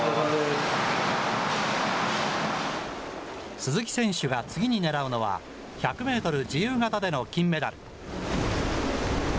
鈴木選手が次にねらうのは、１００メートル自由形での金メダル。